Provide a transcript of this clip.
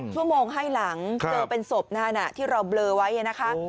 ชั่วโมงให้หลังเจอเป็นศพที่เราเบลอไว้นะคะ